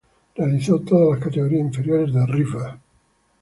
Realizó todas las categorías inferiores de River.